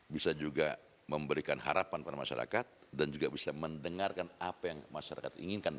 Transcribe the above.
bisa juga memberikan harapan pada masyarakat dan juga bisa mendengarkan apa yang masyarakat inginkan